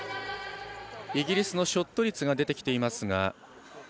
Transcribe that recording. イギリスのショット率が出てきています。